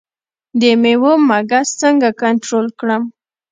د میوو مګس څنګه کنټرول کړم؟